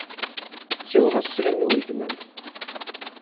Ssiweḍ-as sslam i weltma-m.